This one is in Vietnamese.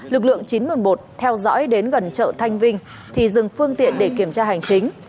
lực lượng chín trăm một mươi một theo dõi đến gần chợ thanh vinh thì dừng phương tiện để kiểm tra hành chính